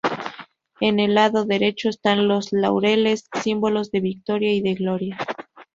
En el lado derecho están los laureles, símbolos de victoria y de gloria.